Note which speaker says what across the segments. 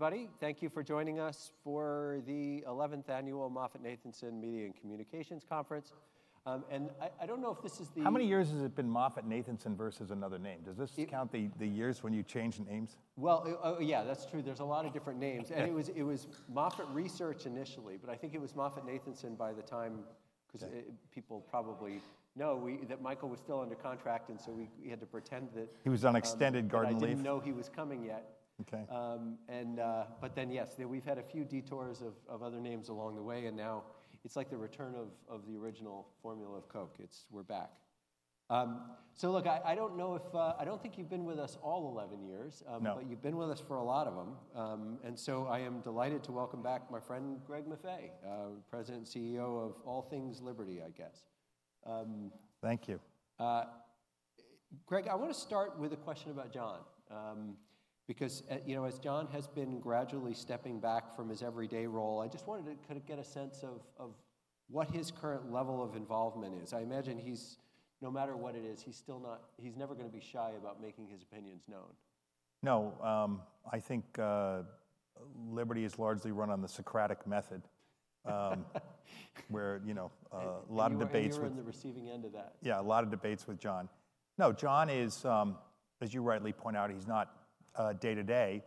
Speaker 1: Everybody, thank you for joining us for the 11th annual Moffett Nathanson Media and Communications Conference. I don't know if this is the.
Speaker 2: How many years has it been Moffett Nathanson versus another name? Does this count the years when you changed names?
Speaker 1: Well, yeah, that's true. There's a lot of different names. And it was Moffett Research initially, but I think it was Moffett Nathanson by the time because people probably know that Michael was still under contract, and so we had to pretend that.
Speaker 2: He was on extended garden leave.
Speaker 1: And didn't know he was coming yet. But then, yes, we've had a few detours of other names along the way, and now it's like the return of the original formula of Coke. We're back. So look, I don't know if I don't think you've been with us all 11 years, but you've been with us for a lot of them. And so I am delighted to welcome back my friend Greg Maffei, President and CEO of all things Liberty, I guess.
Speaker 2: Thank you.
Speaker 1: Greg, I want to start with a question about John because as John has been gradually stepping back from his everyday role, I just wanted to kind of get a sense of what his current level of involvement is. I imagine he's no matter what it is, he's never going to be shy about making his opinions known.
Speaker 2: No, I think Liberty is largely run on the Socratic method where a lot of debates with.
Speaker 1: You're on the receiving end of that.
Speaker 2: Yeah, a lot of debates with John. No, John is, as you rightly point out, he's not day to day,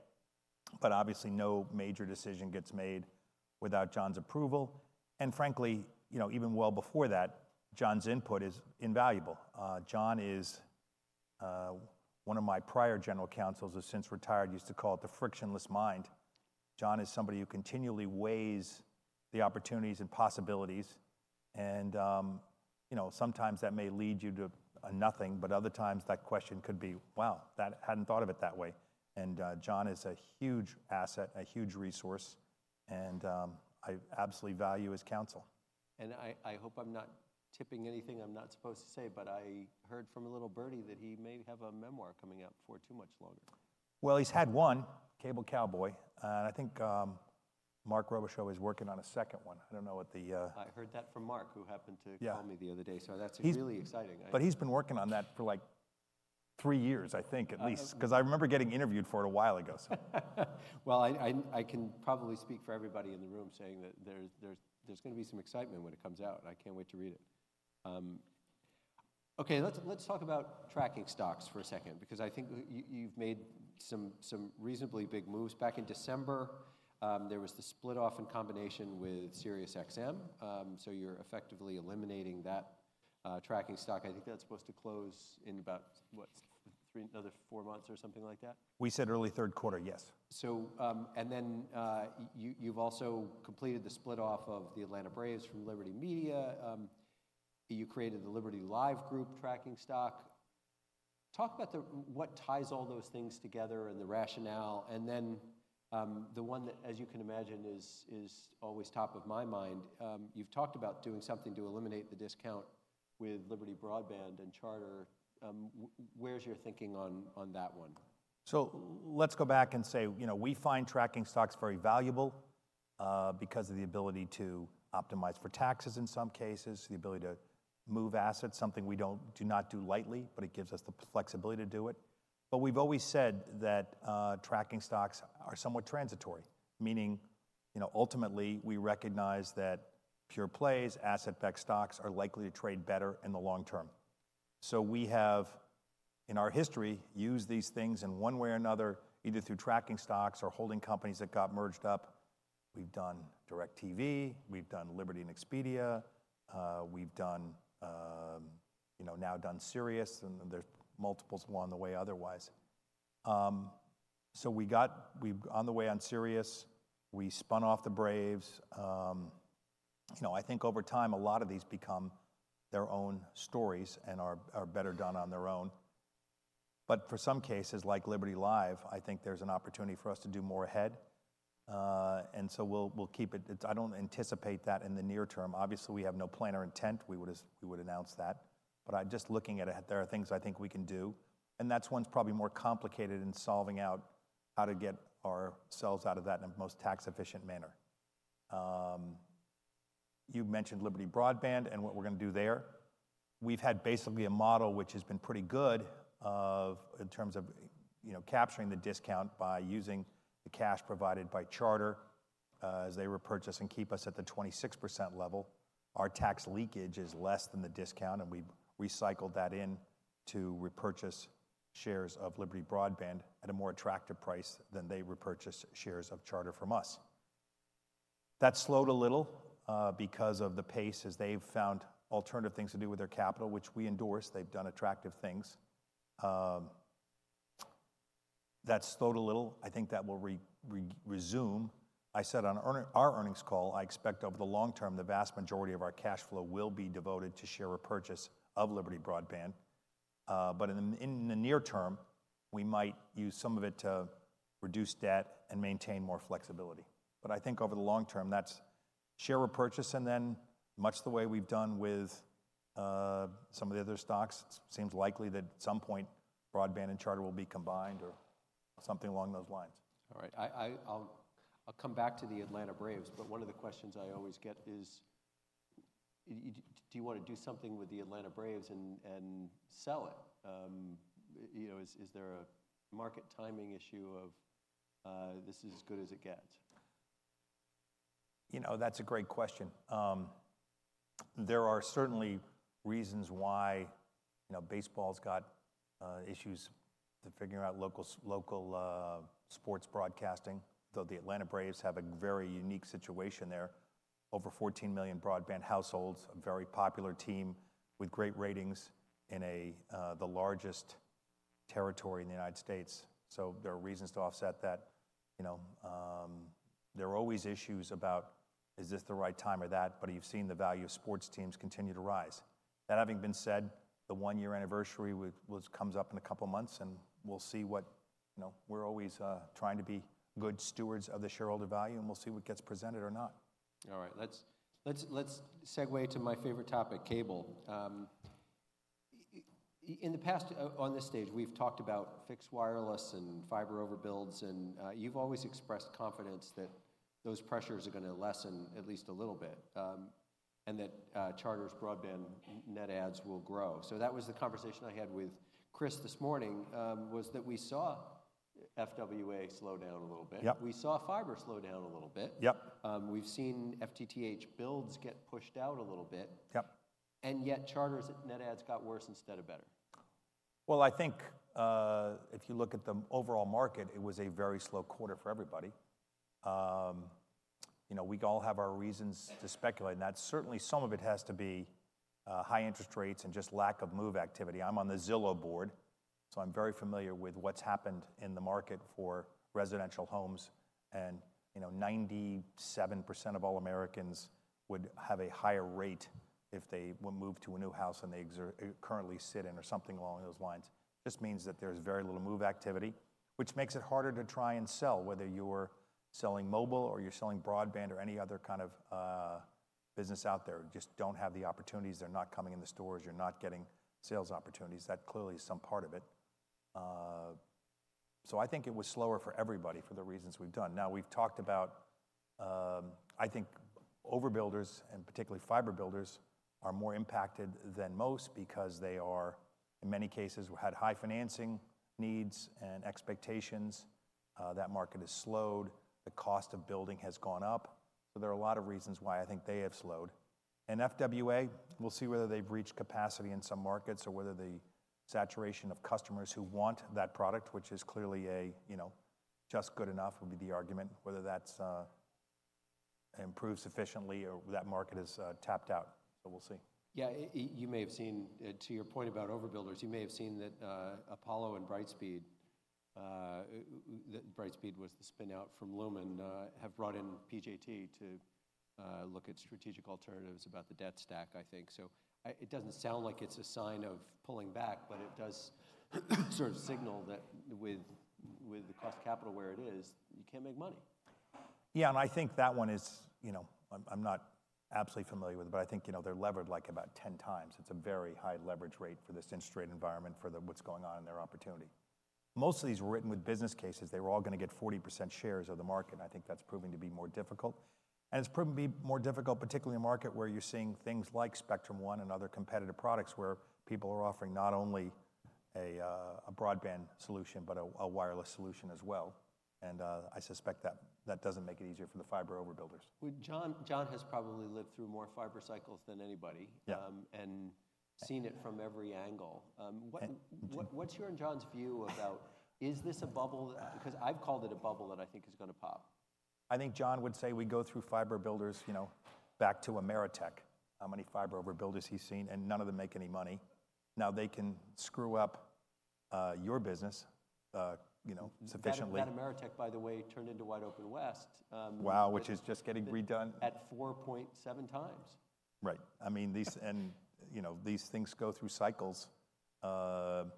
Speaker 2: but obviously no major decision gets made without John's approval. And frankly, even well before that, John's input is invaluable. John is one of my prior general counsels, who since retired used to call it the frictionless mind. John is somebody who continually weighs the opportunities and possibilities. And sometimes that may lead you to nothing, but other times that question could be, wow, that I hadn't thought of it that way. And John is a huge asset, a huge resource, and I absolutely value his counsel.
Speaker 1: I hope I'm not tipping anything I'm not supposed to say, but I heard from a little birdie that he may have a memoir coming up for too much longer.
Speaker 2: Well, he's had one, Cable Cowboy, and I think Mark Robichaux is working on a second one. I don't know what the.
Speaker 1: I heard that from Mark, who happened to call me the other day. So that's really exciting.
Speaker 2: But he's been working on that for like three years, I think at least, because I remember getting interviewed for it a while ago.
Speaker 1: Well, I can probably speak for everybody in the room saying that there's going to be some excitement when it comes out. I can't wait to read it. Okay, let's talk about tracking stocks for a second because I think you've made some reasonably big moves. Back in December, there was the split-off in combination with SiriusXM, so you're effectively eliminating that tracking stock. I think that's supposed to close in about another four months or something like that.
Speaker 2: We said early third quarter, yes.
Speaker 1: And then you've also completed the split-off of the Atlanta Braves from Liberty Media. You created the Liberty Live Group tracking stock. Talk about what ties all those things together and the rationale. And then the one that, as you can imagine, is always top of my mind. You've talked about doing something to eliminate the discount with Liberty Broadband and Charter. Where's your thinking on that one?
Speaker 2: So let's go back and say we find tracking stocks very valuable because of the ability to optimize for taxes in some cases, the ability to move assets, something we do not do lightly, but it gives us the flexibility to do it. But we've always said that tracking stocks are somewhat transitory, meaning ultimately we recognize that pure plays, asset-backed stocks are likely to trade better in the long term. So we have, in our history, used these things in one way or another, either through tracking stocks or holding companies that got merged up. We've done DirecTV. We've done Liberty and Expedia. We've now done Sirius, and there's multiples on the way otherwise. So we're on the way on Sirius. We spun off the Braves. I think over time a lot of these become their own stories and are better done on their own. But for some cases like Liberty Live, I think there's an opportunity for us to do more ahead. And so we'll keep it. I don't anticipate that in the near term. Obviously, we have no plan or intent. We would announce that. But just looking at it, there are things I think we can do. And that's one that's probably more complicated in solving out how to get ourselves out of that in the most tax-efficient manner. You've mentioned Liberty Broadband and what we're going to do there. We've had basically a model which has been pretty good in terms of capturing the discount by using the cash provided by Charter as they repurchase and keep us at the 26% level. Our tax leakage is less than the discount, and we've recycled that in to repurchase shares of Liberty Broadband at a more attractive price than they repurchased shares of Charter from us. That slowed a little because of the pace as they've found alternative things to do with their capital, which we endorse. They've done attractive things. That slowed a little. I think that will resume. I said on our earnings call, I expect over the long term the vast majority of our cash flow will be devoted to share repurchase of Liberty Broadband. But in the near term, we might use some of it to reduce debt and maintain more flexibility. But I think over the long term that's share repurchase and then much the way we've done with some of the other stocks. It seems likely that at some point Broadband and Charter will be combined or something along those lines.
Speaker 1: All right. I'll come back to the Atlanta Braves, but one of the questions I always get is, do you want to do something with the Atlanta Braves and sell it? Is there a market timing issue of this is as good as it gets?
Speaker 2: That's a great question. There are certainly reasons why baseball's got issues to figure out local sports broadcasting, though the Atlanta Braves have a very unique situation there. Over 14 million broadband households, a very popular team with great ratings in the largest territory in the United States. So there are reasons to offset that. There are always issues about is this the right time or that, but you've seen the value of sports teams continue to rise. That having been said, the one-year anniversary comes up in a couple of months, and we'll see what we're always trying to be good stewards of the shareholder value, and we'll see what gets presented or not.
Speaker 1: All right. Let's segue to my favorite topic, cable. In the past, on this stage, we've talked about fixed wireless and fiber overbuilds, and you've always expressed confidence that those pressures are going to lessen at least a little bit and that Charter's broadband net ads will grow. So that was the conversation I had with Chris this morning, was that we saw FWA slow down a little bit. We saw fiber slow down a little bit. We've seen FTTH builds get pushed out a little bit, and yet Charter's net ads got worse instead of better.
Speaker 2: Well, I think if you look at the overall market, it was a very slow quarter for everybody. We all have our reasons to speculate, and that's certainly some of it has to be high interest rates and just lack of move activity. I'm on the Zillow board, so I'm very familiar with what's happened in the market for residential homes. 97% of all Americans would have a higher rate if they would move to a new house than they currently sit in or something along those lines. It just means that there's very little move activity, which makes it harder to try and sell, whether you're selling mobile or you're selling broadband or any other kind of business out there. Just don't have the opportunities. They're not coming in the stores. You're not getting sales opportunities. That clearly is some part of it. So I think it was slower for everybody for the reasons we've done. Now, we've talked about, I think overbuilders and particularly fiber builders are more impacted than most because they are, in many cases, had high financing needs and expectations. That market has slowed. The cost of building has gone up. So there are a lot of reasons why I think they have slowed. And FWA, we'll see whether they've reached capacity in some markets or whether the saturation of customers who want that product, which is clearly a just good enough would be the argument, whether that improves sufficiently or that market is tapped out. So we'll see.
Speaker 1: Yeah, you may have seen, to your point about overbuilders, you may have seen that Apollo and Brightspeed, Brightspeed was the spin-out from Lumen, have brought in PJT to look at strategic alternatives about the debt stack, I think. So it doesn't sound like it's a sign of pulling back, but it does sort of signal that with the cost of capital where it is, you can't make money.
Speaker 2: Yeah, and I think that one is. I'm not absolutely familiar with it, but I think they're levered like about 10x. It's a very high leverage rate for this interest rate environment for what's going on in their opportunity. Most of these were written with business cases. They were all going to get 40% shares of the market. I think that's proving to be more difficult. It's proven to be more difficult, particularly in a market where you're seeing things like Spectrum One and other competitive products where people are offering not only a broadband solution but a wireless solution as well. I suspect that doesn't make it easier for the fiber overbuilders.
Speaker 1: John has probably lived through more fiber cycles than anybody and seen it from every angle. What's your and John's view about is this a bubble? Because I've called it a bubble that I think is going to pop.
Speaker 2: I think John would say we go through fiber builders back to Ameritech. How many fiber overbuilders he's seen? None of them make any money. Now they can screw up your business sufficiently.
Speaker 1: That Ameritech, by the way, turned into WideOpenWest.
Speaker 2: Wow, which is just getting redone.
Speaker 1: At 4.7x.
Speaker 2: Right. I mean, these things go through cycles, hot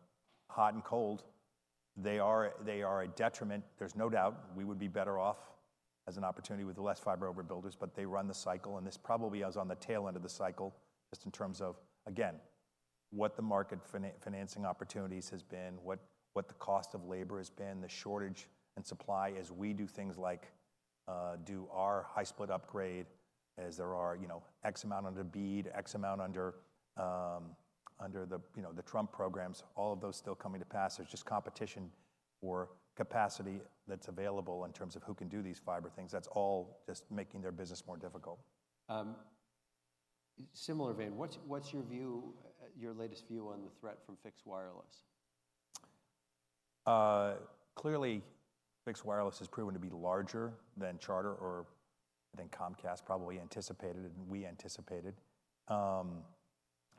Speaker 2: and cold. They are a detriment. There's no doubt we would be better off as an opportunity with the less fiber overbuilders, but they run the cycle. And this probably was on the tail end of the cycle just in terms of, again, what the market financing opportunities has been, what the cost of labor has been, the shortage and supply as we do things like do our high split upgrade as there are X amount under BEAD, X amount under the Trump programs, all of those still coming to pass. There's just competition for capacity that's available in terms of who can do these fiber things. That's all just making their business more difficult.
Speaker 1: Similar vein, what's your view, your latest view on the threat from fixed wireless?
Speaker 2: Clearly, fixed wireless has proven to be larger than Charter or I think Comcast probably anticipated and we anticipated.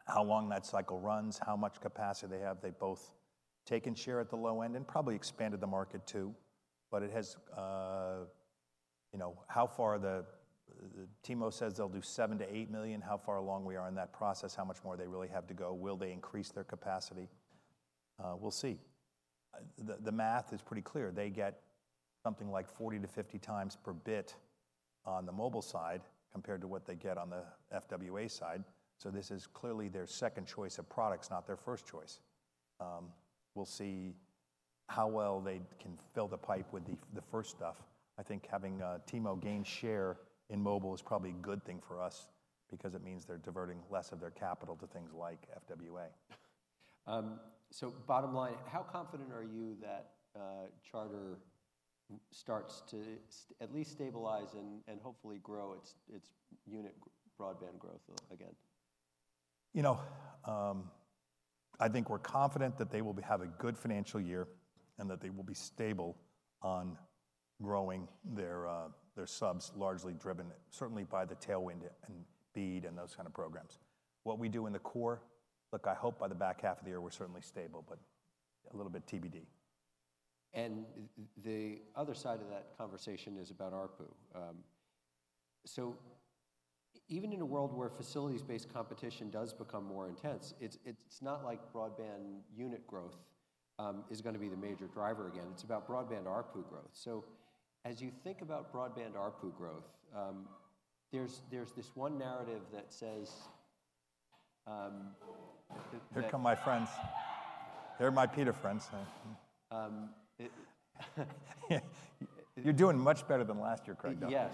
Speaker 2: How long that cycle runs, how much capacity they have, they've both taken share at the low end and probably expanded the market too. But how far the T-Mobile says they'll do 7 million-8 million, how far along we are in that process, how much more they really have to go, will they increase their capacity? We'll see. The math is pretty clear. They get something like 40-50x per bit on the mobile side compared to what they get on the FWA side. So this is clearly their second choice of products, not their first choice. We'll see how well they can fill the pipe with the first stuff. I think having T-Mo gain share in mobile is probably a good thing for us because it means they're diverting less of their capital to things like FWA.
Speaker 1: So bottom line, how confident are you that Charter starts to at least stabilize and hopefully grow its unit broadband growth again?
Speaker 2: I think we're confident that they will have a good financial year and that they will be stable on growing their subs, largely driven certainly by the tailwind and BEAD and those kind of programs. What we do in the core, look, I hope by the back half of the year we're certainly stable, but a little bit TBD.
Speaker 1: The other side of that conversation is about ARPU. Even in a world where facilities-based competition does become more intense, it's not like broadband unit growth is going to be the major driver again. It's about broadband ARPU growth. As you think about broadband ARPU growth, there's this one narrative that says.
Speaker 2: Here come my friends. They're my PETA friends. You're doing much better than last year, Craig, Duncan.
Speaker 1: Yes.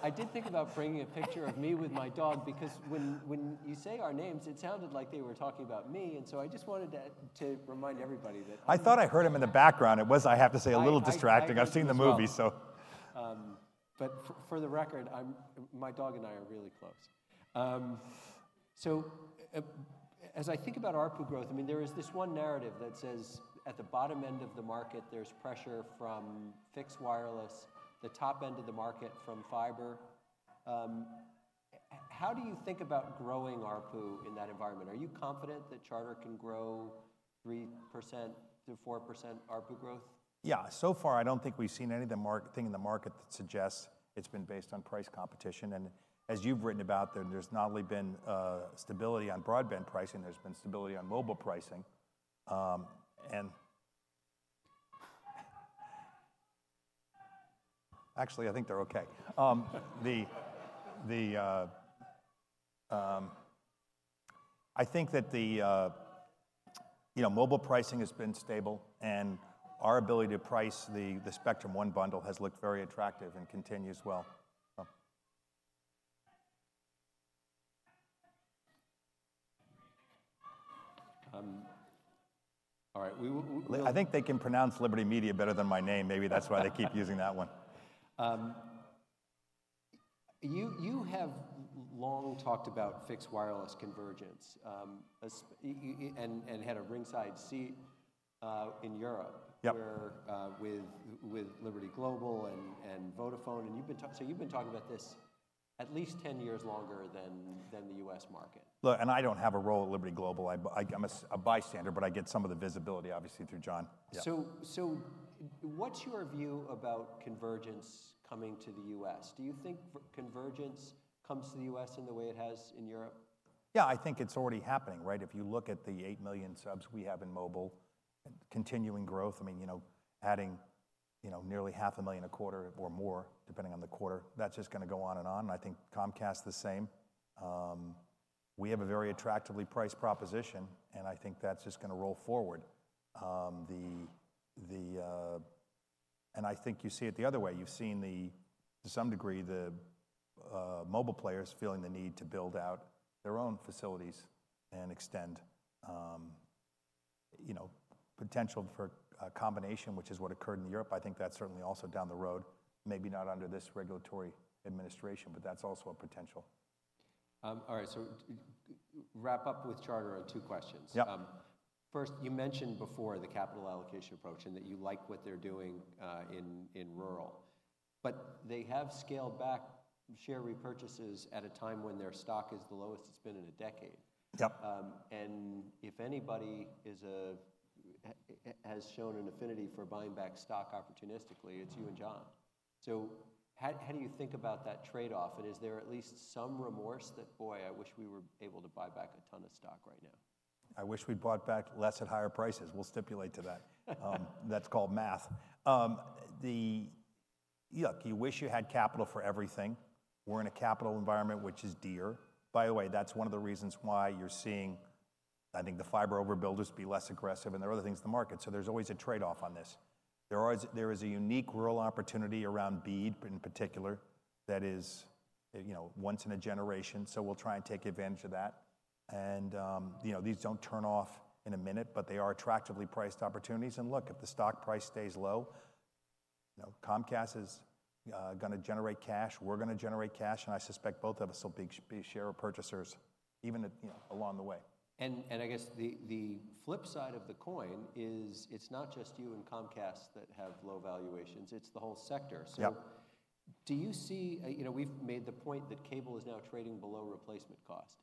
Speaker 1: Yeah. I did think about bringing a picture of me with my dog because when you say our names, it sounded like they were talking about me. And so I just wanted to remind everybody that.
Speaker 2: I thought I heard him in the background. It was, I have to say, a little distracting. I've seen the movie, so.
Speaker 1: But for the record, my dog and I are really close. So as I think about ARPU growth, I mean, there is this one narrative that says at the bottom end of the market, there's pressure from fixed wireless, the top end of the market from fiber. How do you think about growing ARPU in that environment? Are you confident that Charter can grow 3%-4% ARPU growth?
Speaker 2: Yeah. So far, I don't think we've seen anything in the market that suggests it's been based on price competition. And as you've written about, there's not only been stability on broadband pricing, there's been stability on mobile pricing. And actually, I think they're okay. I think that the mobile pricing has been stable, and our ability to price the Spectrum One bundle has looked very attractive and continues well.
Speaker 1: All right.
Speaker 2: I think they can pronounce Liberty Media better than my name. Maybe that's why they keep using that one.
Speaker 1: You have long talked about fixed wireless convergence and had a ringside seat in Europe with Liberty Global and Vodafone. And so you've been talking about this at least 10 years longer than the U.S. market.
Speaker 2: Look, and I don't have a role at Liberty Global. I'm a bystander, but I get some of the visibility, obviously, through John.
Speaker 1: What's your view about convergence coming to the U.S.? Do you think convergence comes to the U.S. in the way it has in Europe?
Speaker 2: Yeah. I think it's already happening, right? If you look at the 8 million subs we have in mobile, continuing growth, I mean, adding nearly 500,000 a quarter or more, depending on the quarter, that's just going to go on and on. And I think Comcast the same. We have a very attractively priced proposition, and I think that's just going to roll forward. And I think you see it the other way. You've seen, to some degree, the mobile players feeling the need to build out their own facilities and extend potential for combination, which is what occurred in Europe. I think that's certainly also down the road, maybe not under this regulatory administration, but that's also a potential.
Speaker 1: All right. So wrap up with Charter on two questions. First, you mentioned before the capital allocation approach and that you like what they're doing in rural. But they have scaled back share repurchases at a time when their stock is the lowest it's been in a decade. And if anybody has shown an affinity for buying back stock opportunistically, it's you and John. So how do you think about that trade-off? And is there at least some remorse that, boy, I wish we were able to buy back a ton of stock right now?
Speaker 2: I wish we bought back less at higher prices. We'll stipulate to that. That's called math. Look, you wish you had capital for everything. We're in a capital environment, which is dear. By the way, that's one of the reasons why you're seeing, I think, the fiber overbuilders be less aggressive. And there are other things in the market. So there's always a trade-off on this. There is a unique rural opportunity around BEAD in particular that is once in a generation. So we'll try and take advantage of that. And these don't turn off in a minute, but they are attractively priced opportunities. And look, if the stock price stays low, Comcast is going to generate cash. We're going to generate cash. And I suspect both of us will be share repurchasers even along the way.
Speaker 1: I guess the flip side of the coin is it's not just you and Comcast that have low valuations. It's the whole sector. So, do you see we've made the point that cable is now trading below replacement cost?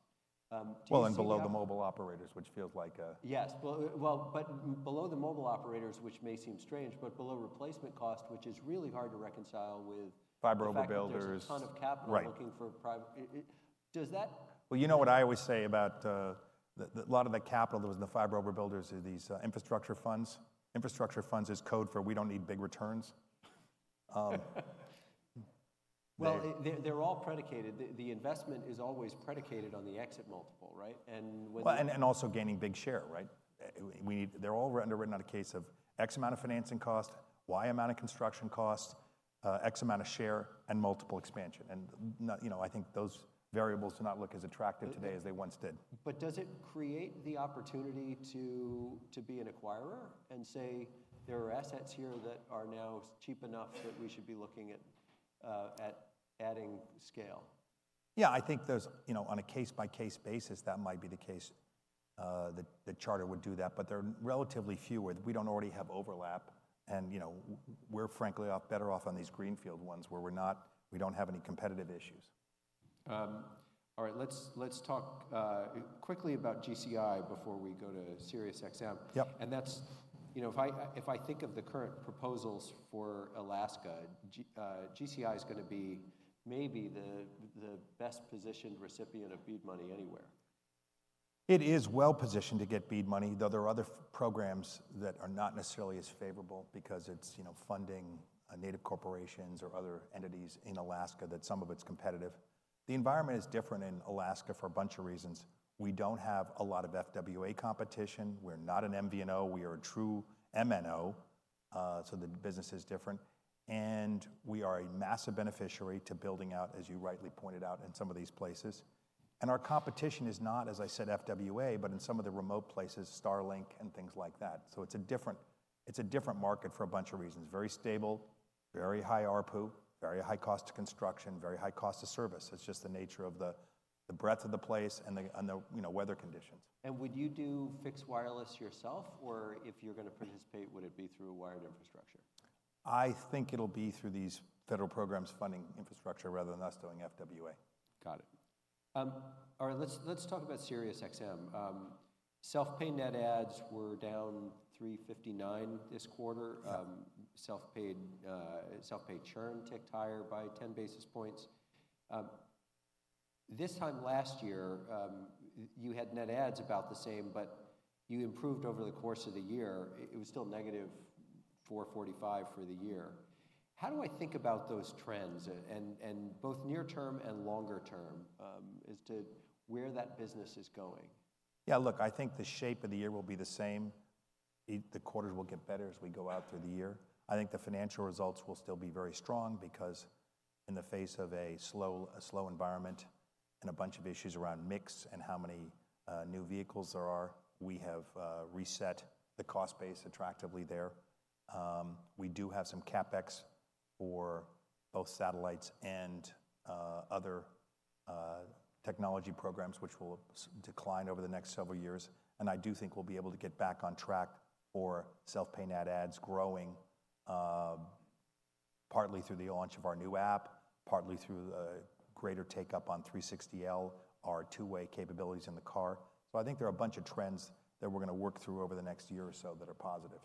Speaker 2: Well, below the mobile operators, which feels like a.
Speaker 1: Yes. Well, but below the mobile operators, which may seem strange, but below replacement cost, which is really hard to reconcile with.
Speaker 2: Fiber overbuilders.
Speaker 1: A ton of capital looking for private. Does that.
Speaker 2: Well, you know what I always say about a lot of the capital that was in the fiber overbuilders are these infrastructure funds. Infrastructure funds is code for we don't need big returns.
Speaker 1: Well, they're all predicated. The investment is always predicated on the exit multiple, right? And when.
Speaker 2: And also gaining big share, right? They're all underwritten on a case of X amount of financing cost, Y amount of construction cost, X amount of share, and multiple expansion. And I think those variables do not look as attractive today as they once did.
Speaker 1: But does it create the opportunity to be an acquirer and say there are assets here that are now cheap enough that we should be looking at adding scale?
Speaker 2: Yeah. I think on a case-by-case basis, that might be the case. Charter would do that, but they're relatively fewer. We don't already have overlap. And we're, frankly, better off on these greenfield ones where we don't have any competitive issues.
Speaker 1: All right. Let's talk quickly about GCI before we go to SiriusXM. If I think of the current proposals for Alaska, GCI is going to be maybe the best positioned recipient of BEAD money anywhere.
Speaker 2: It is well positioned to get BEAD money, though there are other programs that are not necessarily as favorable because it's funding native corporations or other entities in Alaska that some of it is competitive. The environment is different in Alaska for a bunch of reasons. We don't have a lot of FWA competition. We're not an MVNO. We are a true MNO. So the business is different. And we are a massive beneficiary to building out, as you rightly pointed out, in some of these places. And our competition is not, as I said, FWA, but in some of the remote places, Starlink and things like that. So it's a different market for a bunch of reasons. Very stable, very high ARPU, very high cost to construction, very high cost to service. It's just the nature of the breadth of the place and the weather conditions.
Speaker 1: Would you do fixed wireless yourself? Or if you're going to participate, would it be through wired infrastructure?
Speaker 2: I think it'll be through these federal programs funding infrastructure rather than us doing FWA.
Speaker 1: Got it. All right. Let's talk about SiriusXM. Self-pay net adds were down 359 this quarter. Self-pay churn ticked higher by 10 basis points. This time last year, you had net adds about the same, but you improved over the course of the year. It was still negative 445 for the year. How do I think about those trends, both near-term and longer-term, as to where that business is going?
Speaker 2: Yeah. Look, I think the shape of the year will be the same. The quarters will get better as we go out through the year. I think the financial results will still be very strong because in the face of a slow environment and a bunch of issues around mix and how many new vehicles there are, we have reset the cost base attractively there. We do have some CapEx for both satellites and other technology programs, which will decline over the next several years. I do think we'll be able to get back on track for self-pay net adds growing partly through the launch of our new app, partly through greater take-up on 360L, our two-way capabilities in the car. I think there are a bunch of trends that we're going to work through over the next year or so that are positive.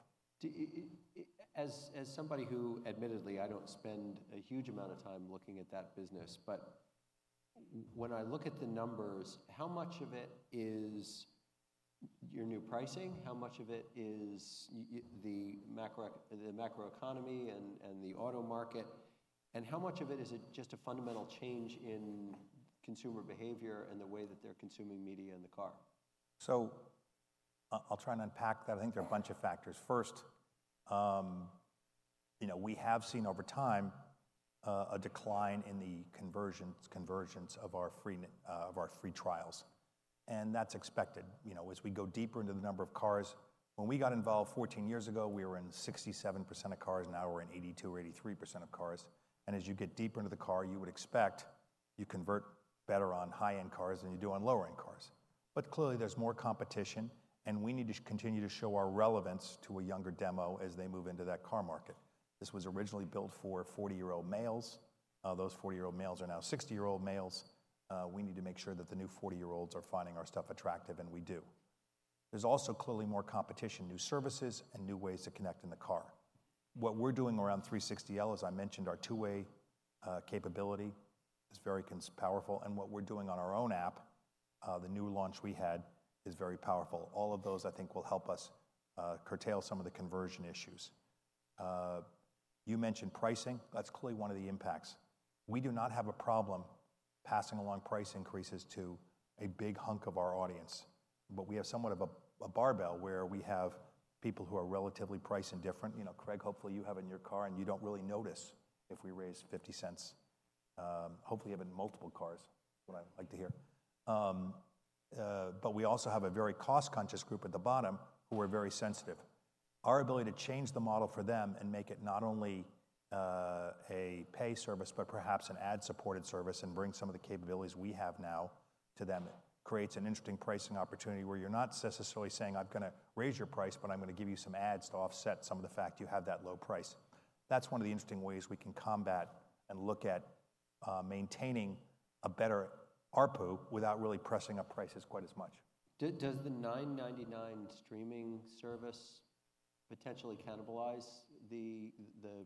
Speaker 1: As somebody who, admittedly, I don't spend a huge amount of time looking at that business, but when I look at the numbers, how much of it is your new pricing? How much of it is the macroeconomy and the auto market? And how much of it is it just a fundamental change in consumer behavior and the way that they're consuming media in the car?
Speaker 2: So I'll try and unpack that. I think there are a bunch of factors. First, we have seen over time a decline in the conversion of our free trials. That's expected. As we go deeper into the number of cars, when we got involved 14 years ago, we were in 67% of cars. Now we're in 82% or 83% of cars. As you get deeper into the car, you would expect you convert better on high-end cars than you do on lower-end cars. But clearly, there's more competition, and we need to continue to show our relevance to a younger demo as they move into that car market. This was originally built for 40-year-old males. Those 40-year-old males are now 60-year-old males. We need to make sure that the new 40-year-olds are finding our stuff attractive, and we do. There's also clearly more competition, new services, and new ways to connect in the car. What we're doing around 360L, as I mentioned, our two-way capability is very powerful. And what we're doing on our own app, the new launch we had, is very powerful. All of those, I think, will help us curtail some of the conversion issues. You mentioned pricing. That's clearly one of the impacts. We do not have a problem passing along price increases to a big hunk of our audience. But we have somewhat of a barbell where we have people who are relatively price indifferent. Craig, hopefully, you have in your car, and you don't really notice if we raise $0.50. Hopefully, you have in multiple cars is what I like to hear. But we also have a very cost-conscious group at the bottom who are very sensitive. Our ability to change the model for them and make it not only a pay service but perhaps an ad-supported service and bring some of the capabilities we have now to them creates an interesting pricing opportunity where you're not necessarily saying, "I'm going to raise your price, but I'm going to give you some ads to offset some of the fact you have that low price." That's one of the interesting ways we can combat and look at maintaining a better ARPU without really pressing up prices quite as much.
Speaker 1: Does the $9.99 streaming service potentially cannibalize the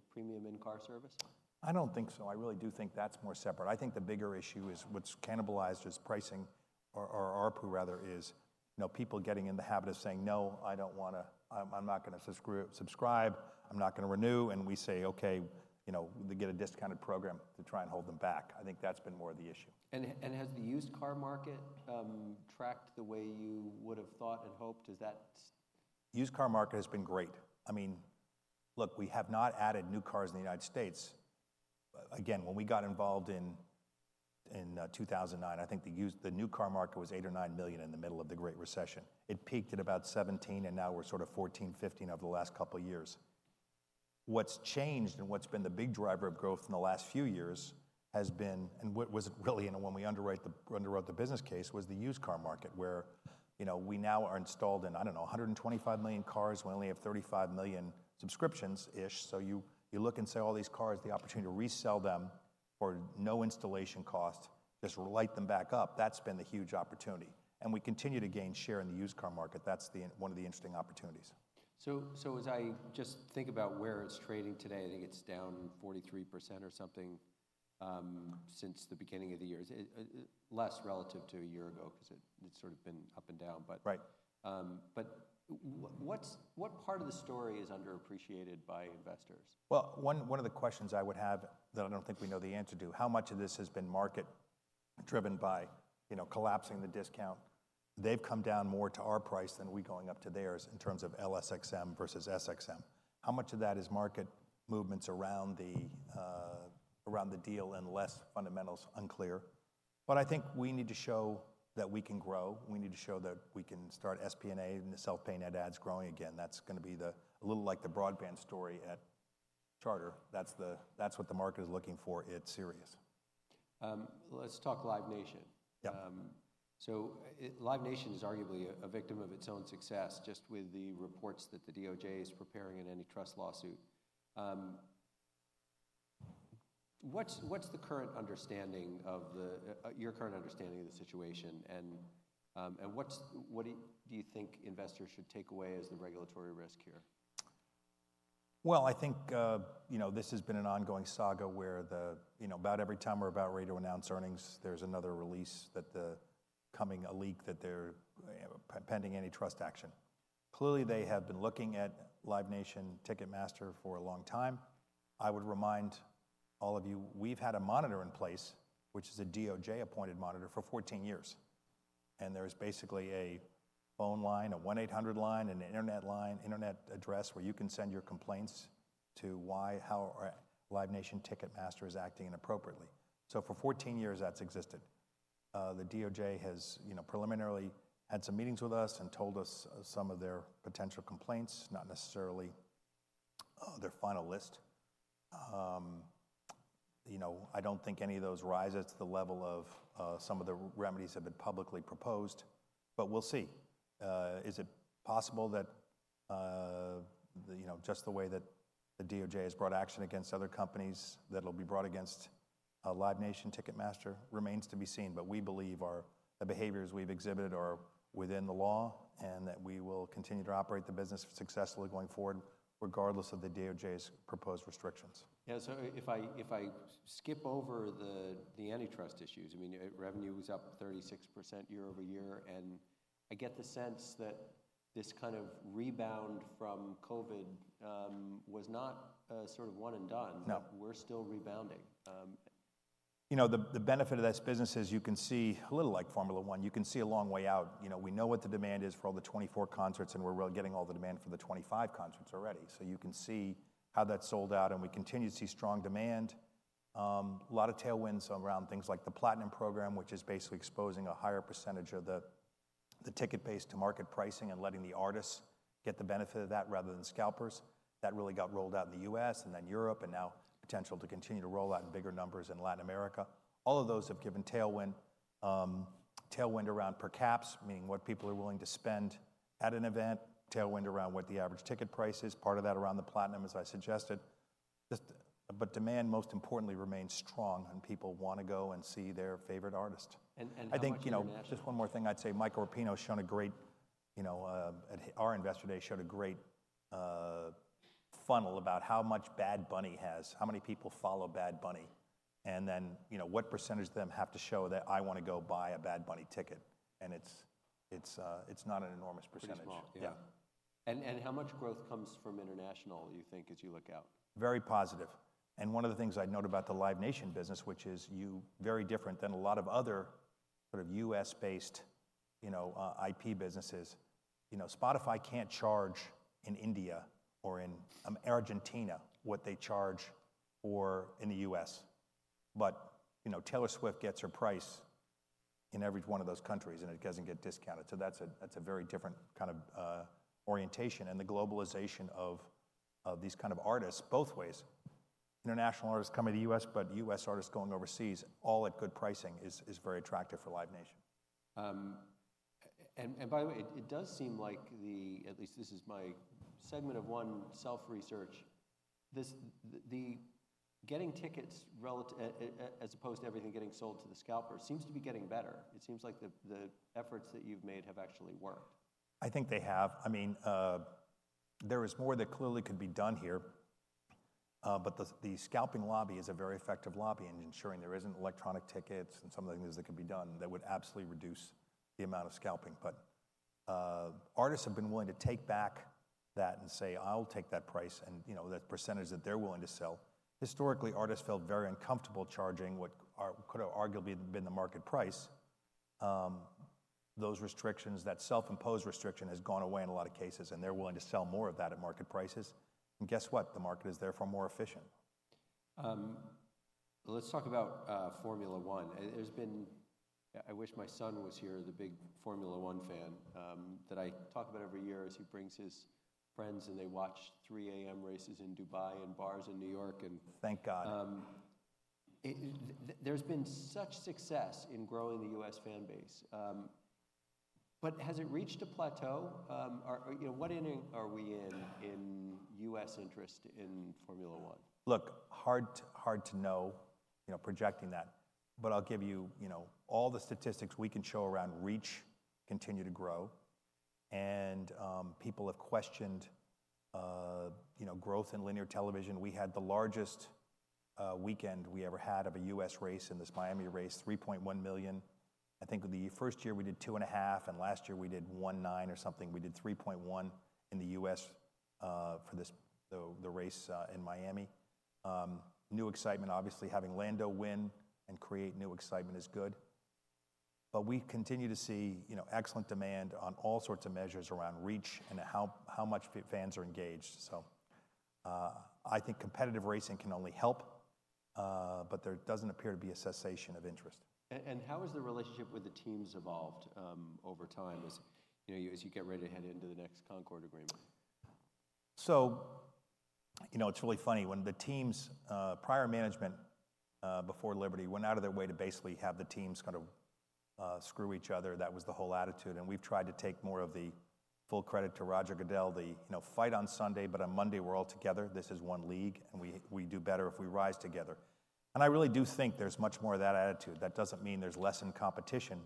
Speaker 1: premium in-car service?
Speaker 2: I don't think so. I really do think that's more separate. I think the bigger issue is what's cannibalized as pricing or ARPU, rather, is people getting in the habit of saying, "No, I don't want to. I'm not going to subscribe. I'm not going to renew." And we say, "Okay, get a discounted program to try and hold them back." I think that's been more the issue.
Speaker 1: Has the used car market tracked the way you would have thought and hoped?
Speaker 2: Used car market has been great. I mean, look, we have not added new cars in the United States. Again, when we got involved in 2009, I think the new car market was 8 or 9 million in the middle of the Great Recession. It peaked at about 17, and now we're sort of 14-15 over the last couple of years. What's changed and what's been the big driver of growth in the last few years has been and was really when we underwrote the business case was the used car market where we now are installed in, I don't know, 125 million cars. We only have 35 million subscriptions-ish. So you look and say, "All these cars, the opportunity to resell them for no installation cost, just light them back up." That's been the huge opportunity. And we continue to gain share in the used car market. That's one of the interesting opportunities.
Speaker 1: So as I just think about where it's trading today, I think it's down 43% or something since the beginning of the year, less relative to a year ago because it's sort of been up and down. But what part of the story is underappreciated by investors?
Speaker 2: Well, one of the questions I would have that I don't think we know the answer to, how much of this has been market-driven by collapsing the discount? They've come down more to our price than we're going up to theirs in terms of LSXM versus SXM. How much of that is market movements around the deal and less fundamentals unclear? But I think we need to show that we can grow. We need to show that we can start SPNA and the self-pay net ads growing again. That's going to be a little like the broadband story at Charter. That's what the market is looking for at Sirius.
Speaker 1: Let's talk Live Nation. So Live Nation is arguably a victim of its own success just with the reports that the DOJ is preparing an antitrust lawsuit. What's the current understanding of your current understanding of the situation? And what do you think investors should take away as the regulatory risk here?
Speaker 2: Well, I think this has been an ongoing saga where about every time we're about ready to announce earnings, there's another release that the coming a leak that they're pending antitrust action. Clearly, they have been looking at Live Nation, Ticketmaster for a long time. I would remind all of you, we've had a monitor in place, which is a DOJ-appointed monitor for 14 years. And there's basically a phone line, a 1-800 line, an internet line, internet address where you can send your complaints to why, how Live Nation, Ticketmaster is acting inappropriately. So for 14 years, that's existed. The DOJ has preliminarily had some meetings with us and told us some of their potential complaints, not necessarily their final list. I don't think any of those rise at the level of some of the remedies that have been publicly proposed. But we'll see. Is it possible that, just the way that the DOJ has brought action against other companies, that will be brought against Live Nation? Ticketmaster remains to be seen. But we believe the behaviors we've exhibited are within the law and that we will continue to operate the business successfully going forward regardless of the DOJ's proposed restrictions.
Speaker 1: Yeah. So if I skip over the antitrust issues, I mean, revenue was up 36% year-over-year. And I get the sense that this kind of rebound from COVID was not sort of one and done. We're still rebounding.
Speaker 2: The benefit of this business is you can see a little like Formula One, you can see a long way out. We know what the demand is for all the 24 concerts, and we're really getting all the demand for the 25 concerts already. So you can see how that sold out. We continue to see strong demand. A lot of tailwinds around things like the Platinum Program, which is basically exposing a higher percentage of the ticket base to market pricing and letting the artists get the benefit of that rather than scalpers. That really got rolled out in the U.S. and then Europe and now potential to continue to roll out in bigger numbers in Latin America. All of those have given tailwind around per caps, meaning what people are willing to spend at an event, tailwind around what the average ticket price is, part of that around the Platinum, as I suggested. But demand, most importantly, remains strong, and people want to go and see their favorite artist. I think just one more thing, I'd say Michael Rapino has shown a great at our investor day showed a great funnel about how much Bad Bunny has, how many people follow Bad Bunny, and then what percentage of them have to show that, "I want to go buy a Bad Bunny ticket." And it's not an enormous percentage.
Speaker 1: Yeah. How much growth comes from international, do you think, as you look out?
Speaker 2: Very positive. One of the things I'd note about the Live Nation business, which is very different than a lot of other sort of U.S.-based IP businesses, Spotify can't charge in India or in Argentina what they charge in the U.S. But Taylor Swift gets her price in every one of those countries, and it doesn't get discounted. That's a very different kind of orientation. The globalization of these kind of artists both ways, international artists coming to the U.S. but U.S. artists going overseas, all at good pricing is very attractive for Live Nation.
Speaker 1: And by the way, it does seem like—at least this is my n of one self-research. The getting tickets as opposed to everything getting sold to the scalpers seems to be getting better. It seems like the efforts that you've made have actually worked.
Speaker 2: I think they have. I mean, there is more that clearly could be done here. But the scalping lobby is a very effective lobby in ensuring there isn't electronic tickets and some of the things that could be done that would absolutely reduce the amount of scalping. But artists have been willing to take back that and say, "I'll take that price," and the percentage that they're willing to sell. Historically, artists felt very uncomfortable charging what could have arguably been the market price. Those restrictions, that self-imposed restriction, has gone away in a lot of cases, and they're willing to sell more of that at market prices. And guess what? The market is therefore more efficient.
Speaker 1: Let's talk about Formula One. I wish my son was here, the big Formula One fan, that I talk about every year as he brings his friends, and they watch 3:00 A.M. races in Dubai and bars in New York.
Speaker 2: Thank God.
Speaker 1: There's been such success in growing the U.S. fanbase. Has it reached a plateau? What inning are we in in U.S. interest in Formula One?
Speaker 2: Look, hard to know projecting that. But I'll give you all the statistics we can show around reach, continue to grow. And people have questioned growth in linear television. We had the largest weekend we ever had of a U.S. race in this Miami race, 3.1 million. I think the first year we did 2.5, and last year we did 1.9 or something. We did 3.1 in the U.S. for the race in Miami. New excitement, obviously. Having Lando win and create new excitement is good. But we continue to see excellent demand on all sorts of measures around reach and how much fans are engaged. So I think competitive racing can only help, but there doesn't appear to be a cessation of interest.
Speaker 1: How has the relationship with the teams evolved over time as you get ready to head into the next Concorde Agreement?
Speaker 2: So it's really funny. When the teams' prior management before Liberty went out of their way to basically have the teams kind of screw each other, that was the whole attitude. We've tried to take more of the full credit to Roger Goodell, the fight on Sunday, but on Monday we're all together. This is one league, and we do better if we rise together. I really do think there's much more of that attitude. That doesn't mean there's less in competition.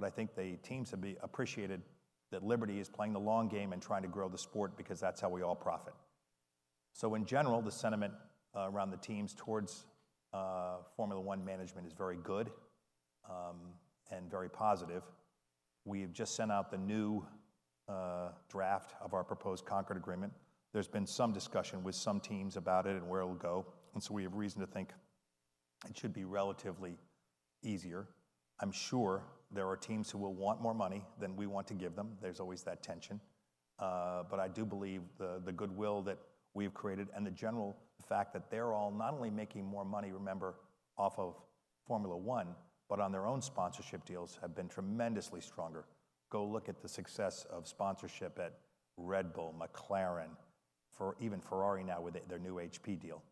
Speaker 2: I think the teams have appreciated that Liberty is playing the long game and trying to grow the sport because that's how we all profit. So in general, the sentiment around the teams towards Formula One management is very good and very positive. We have just sent out the new draft of our proposed Concorde Agreement. There's been some discussion with some teams about it and where it'll go. And so we have reason to think it should be relatively easier. I'm sure there are teams who will want more money than we want to give them. There's always that tension. But I do believe the goodwill that we've created and the general fact that they're all not only making more money, remember, off of Formula One, but on their own sponsorship deals have been tremendously stronger. Go look at the success of sponsorship at Red Bull, McLaren, even Ferrari now with their new HP deal.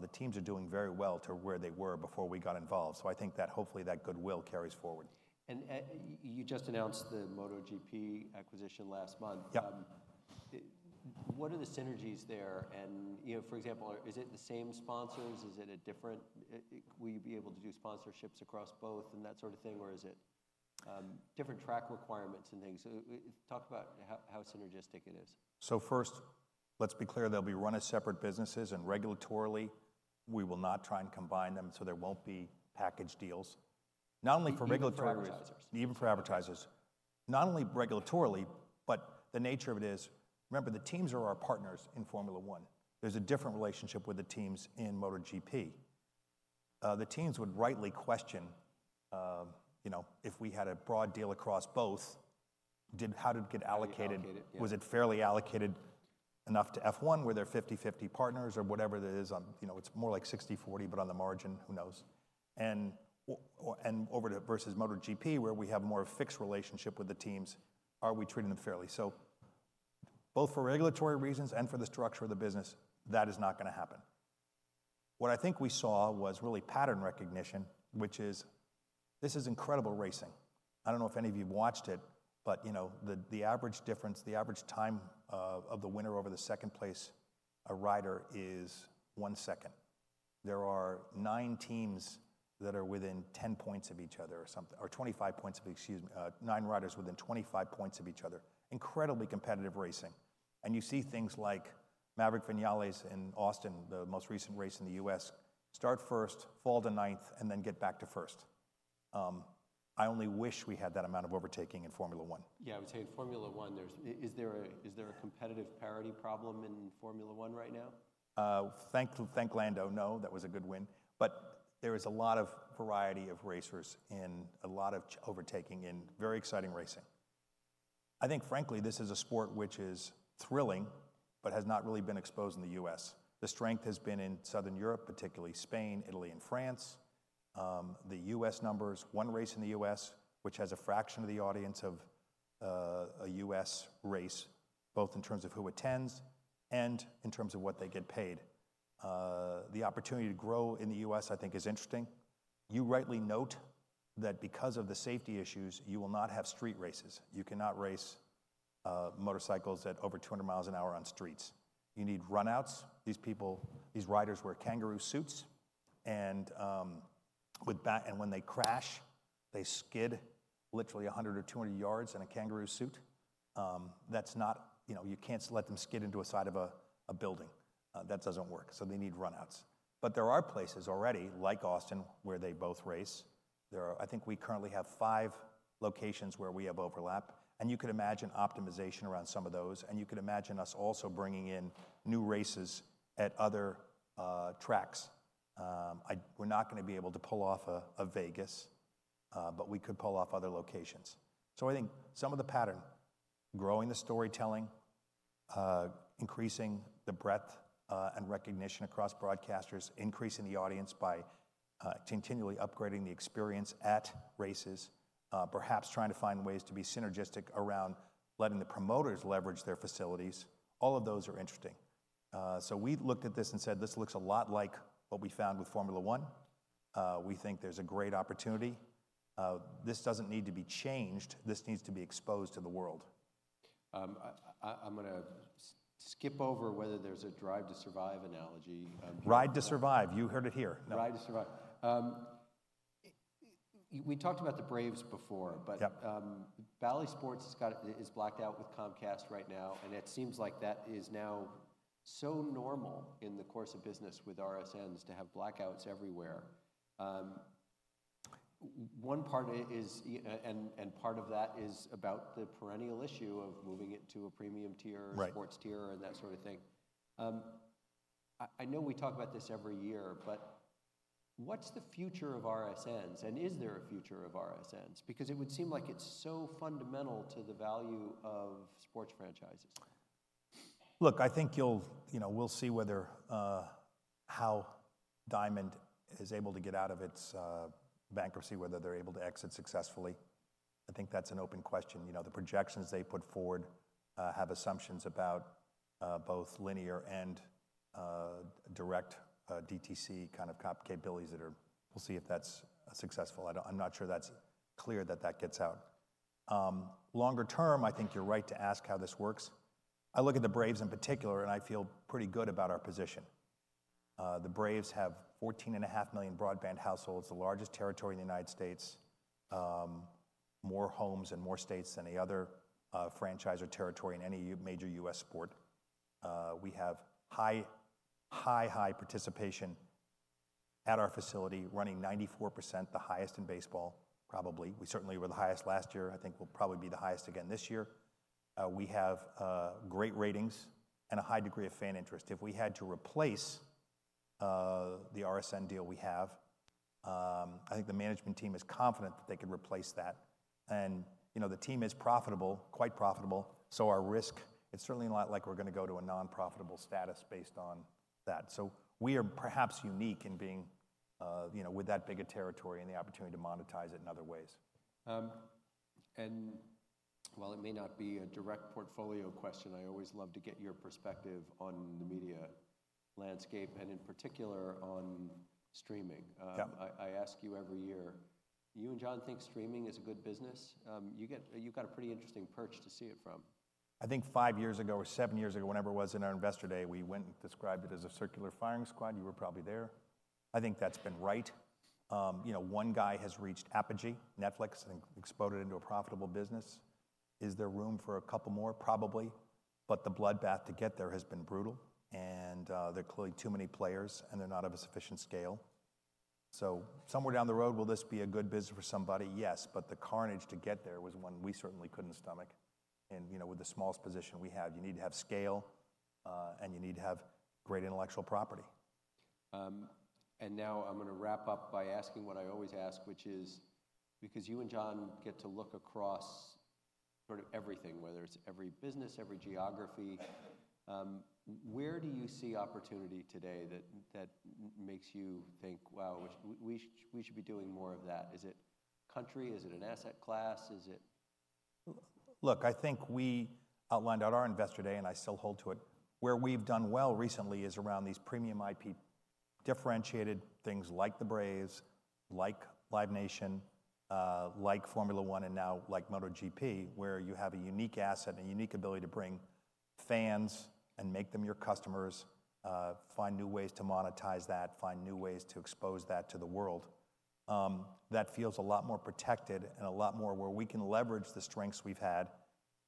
Speaker 2: The teams are doing very well to where they were before we got involved. So I think that hopefully that goodwill carries forward.
Speaker 1: You just announced the MotoGP acquisition last month. What are the synergies there? For example, is it the same sponsors? Is it different? Will you be able to do sponsorships across both and that sort of thing, or is it different track requirements and things? Talk about how synergistic it is.
Speaker 2: First, let's be clear. They'll be run as separate businesses. Regulatorily, we will not try and combine them, so there won't be package deals. Not only for regulatory.
Speaker 1: Even for advertisers.
Speaker 2: Even for advertisers. Not only regulatorily, but the nature of it is, remember, the teams are our partners in Formula One. There's a different relationship with the teams in MotoGP. The teams would rightly question if we had a broad deal across both, how did it get allocated? Was it fairly allocated enough to F1 where they're 50/50 partners or whatever it is? It's more like 60/40, but on the margin, who knows? And versus MotoGP where we have more of a fixed relationship with the teams, are we treating them fairly? So both for regulatory reasons and for the structure of the business, that is not going to happen. What I think we saw was really pattern recognition, which is this is incredible racing. I don't know if any of you have watched it, but the average difference, the average time of the winner over the second-place rider is 1 second. There are nine teams that are within 10 points of each other or something or 25 points of excuse me, nine riders within 25 points of each other. Incredibly competitive racing. And you see things like Maverick Viñales in Austin, the most recent race in the U.S., start first, fall to ninth, and then get back to first. I only wish we had that amount of overtaking in Formula One.
Speaker 1: Yeah. I would say in Formula One, is there a competitive parity problem in Formula One right now?
Speaker 2: Thank Lando, no. That was a good win. But there is a lot of variety of racers in a lot of overtaking in very exciting racing. I think, frankly, this is a sport which is thrilling but has not really been exposed in the U.S. The strength has been in Southern Europe, particularly Spain, Italy, and France. The U.S. numbers, one race in the U.S., which has a fraction of the audience of a U.S. race, both in terms of who attends and in terms of what they get paid. The opportunity to grow in the U.S., I think, is interesting. You rightly note that because of the safety issues, you will not have street races. You cannot race motorcycles at over 200 miles an hour on streets. You need runouts. These riders wear kangaroo suits. When they crash, they skid literally 100 or 200 yards in a kangaroo suit. You can't let them skid into a side of a building. That doesn't work. So they need runouts. But there are places already, like Austin, where they both race. I think we currently have five locations where we have overlap. You could imagine optimization around some of those. And you could imagine us also bringing in new races at other tracks. We're not going to be able to pull off a Vegas, but we could pull off other locations. So I think some of the pattern, growing the storytelling, increasing the breadth and recognition across broadcasters, increasing the audience by continually upgrading the experience at races, perhaps trying to find ways to be synergistic around letting the promoters leverage their facilities, all of those are interesting. So we looked at this and said, "This looks a lot like what we found with Formula One. We think there's a great opportunity. This doesn't need to be changed. This needs to be exposed to the world.
Speaker 1: I'm going to skip over whether there's a Drive to Survive analogy.
Speaker 2: Ride to Survive. You heard it here.
Speaker 1: Ride to Survive. We talked about the Braves before, but Bally Sports is blacked out with Comcast right now. It seems like that is now so normal in the course of business with RSNs to have blackouts everywhere. One part is, and part of that is about the perennial issue of moving it to a premium tier or sports tier and that sort of thing. I know we talk about this every year, but what's the future of RSNs? And is there a future of RSNs? Because it would seem like it's so fundamental to the value of sports franchises.
Speaker 2: Look, I think we'll see how Diamond is able to get out of its bankruptcy, whether they're able to exit successfully. I think that's an open question. The projections they put forward have assumptions about both linear and direct DTC kind of capabilities that are—we'll see if that's successful. I'm not sure that's clear that that gets out. Longer term, I think you're right to ask how this works. I look at the Braves in particular, and I feel pretty good about our position. The Braves have 14.5 million broadband households, the largest territory in the United States, more homes and more states than any other franchise territory in any major U.S. sport. We have high, high, high participation at our facility, running 94%, the highest in baseball probably. We certainly were the highest last year. I think we'll probably be the highest again this year. We have great ratings and a high degree of fan interest. If we had to replace the RSN deal we have, I think the management team is confident that they could replace that. And the team is profitable, quite profitable. So our risk, it's certainly not like we're going to go to a nonprofitable status based on that. So we are perhaps unique in being with that big a territory and the opportunity to monetize it in other ways.
Speaker 1: While it may not be a direct portfolio question, I always love to get your perspective on the media landscape and in particular on streaming. I ask you every year, "You and John think streaming is a good business?" You've got a pretty interesting perch to see it from.
Speaker 2: I think 5 years ago or 7 years ago, whenever it was in our investor day, we went and described it as a circular firing squad. You were probably there. I think that's been right. One guy has reached apogee. Netflix, I think, exploded into a profitable business. Is there room for a couple more? Probably. But the bloodbath to get there has been brutal. And there are clearly too many players, and they're not of a sufficient scale. So somewhere down the road, will this be a good business for somebody? Yes. But the carnage to get there was one we certainly couldn't stomach. And with the smallest position we have, you need to have scale, and you need to have great intellectual property.
Speaker 1: Now I'm going to wrap up by asking what I always ask, which is because you and John get to look across sort of everything, whether it's every business, every geography, where do you see opportunity today that makes you think, "Wow, we should be doing more of that"? Is it country? Is it an asset class? Is it?
Speaker 2: Look, I think we outlined at our investor day, and I still hold to it, where we've done well recently is around these premium IP differentiated things like the Braves, like Live Nation, like Formula One, and now like MotoGP, where you have a unique asset, a unique ability to bring fans and make them your customers, find new ways to monetize that, find new ways to expose that to the world. That feels a lot more protected and a lot more where we can leverage the strengths we've had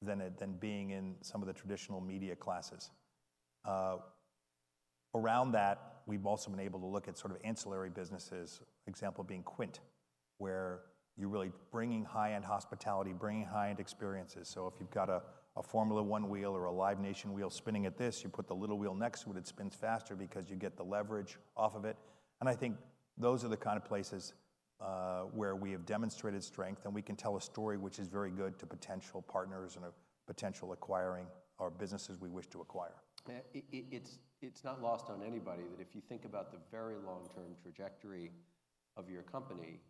Speaker 2: than being in some of the traditional media classes. Around that, we've also been able to look at sort of ancillary businesses, example being Quint, where you're really bringing high-end hospitality, bringing high-end experiences. So if you've got a Formula One wheel or a Live Nation wheel spinning at this, you put the little wheel next to it. It spins faster because you get the leverage off of it. And I think those are the kind of places where we have demonstrated strength, and we can tell a story which is very good to potential partners and potential acquiring or businesses we wish to acquire.
Speaker 1: It's not lost on anybody that if you think about the very long-term trajectory of your company,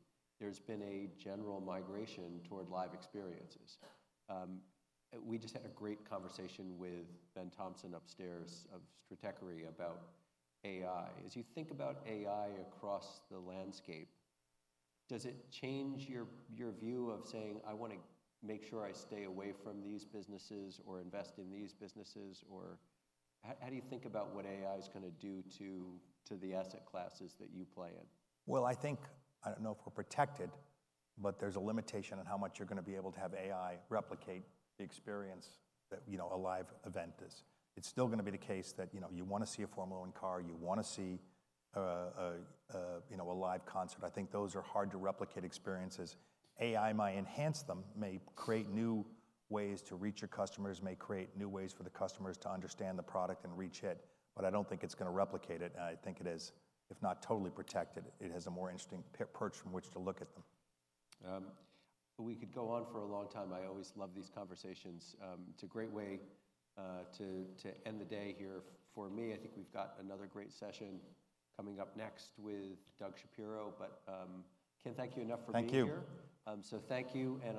Speaker 1: there's been a general migration toward live experiences. We just had a great conversation with Ben Thompson upstairs of Stratechery about AI. As you think about AI across the landscape, does it change your view of saying, "I want to make sure I stay away from these businesses or invest in these businesses"? Or how do you think about what AI is going to do to the asset classes that you play in?
Speaker 2: Well, I think I don't know if we're protected, but there's a limitation on how much you're going to be able to have AI replicate the experience that a live event is. It's still going to be the case that you want to see a Formula One car. You want to see a live concert. I think those are hard to replicate experiences. AI might enhance them, may create new ways to reach your customers, may create new ways for the customers to understand the product and reach it. But I don't think it's going to replicate it. And I think it is, if not totally protected, it has a more interesting perch from which to look at them.
Speaker 1: We could go on for a long time. I always love these conversations. It's a great way to end the day here. For me, I think we've got another great session coming up next with Doug Shapiro. But Ken, thank you enough for being here.
Speaker 2: Thank you.
Speaker 1: Thank you and.